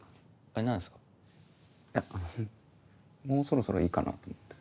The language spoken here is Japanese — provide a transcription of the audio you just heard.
あのもうそろそろいいかなと思って。